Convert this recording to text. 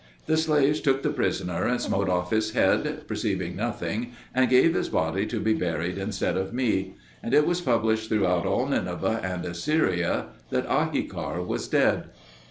The slaves took the prisoner and smote off his head, perceiving nothing, and gave his body to be buried instead of me; and it was published throughout all Nineveh and Assyria that Ahikar was dead.